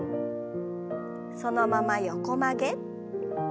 そのまま横曲げ。